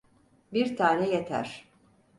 Bir tane yeter.